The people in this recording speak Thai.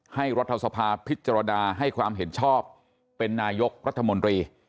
รัฐสภาพิจารณาให้ความเห็นชอบเป็นนายกรัฐมนตรี